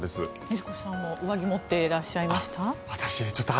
水越さんも上着持っていらっしゃいました？